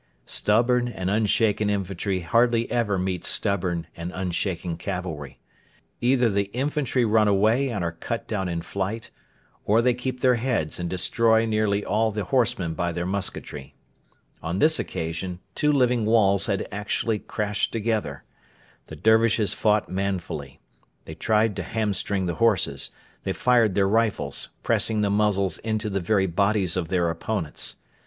Stubborn and unshaken infantry hardly ever meet stubborn and unshaken cavalry. Either the infantry run away and are cut down in flight, or they keep their heads and destroy nearly all the horsemen by their musketry. On this occasion two living walls had actually crashed together. The Dervishes fought manfully. They tried to hamstring the horses, They fired their rifles, pressing the muzzles into the very bodies of their opponents.